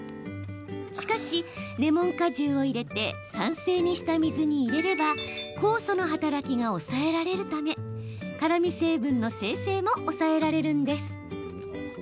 しかし、レモン果汁を入れて酸性にした水に入れれば酵素の働きが抑えられるため辛み成分の生成も抑えられるんです。